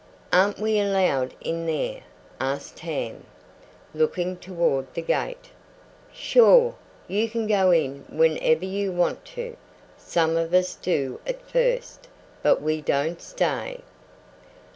"Aren't we allowed in there?" asked Tam, looking toward the gate. "Sure. You can go in whenever you want to. Some of us do at first, but we don't stay."